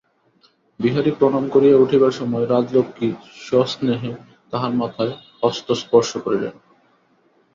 বিহারী প্রণাম করিয়া উঠিবার সময় রাজলক্ষ্মী সস্নেহে তাহার মাথায় হস্তস্পর্শ করিলেন।